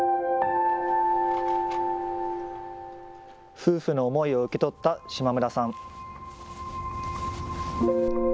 夫婦の思いを受け取った島邑さん。